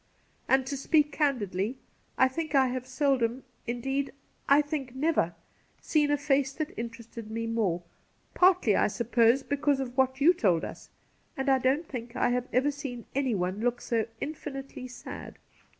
And to speak can didly, I think I have seldom — indeed, I think, never — seen a face that interested me more ; partly, I suppose, because of what you told us. And I don't think I have ever seen anyone look so infinitely sad.